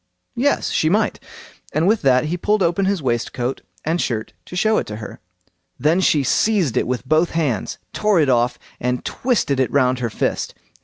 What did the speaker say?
"Yes, she might"; and with that he pulled open his waistcoat and shirt to show it her. Then she seized it with both hands, tore it off, and twisted it round her fist.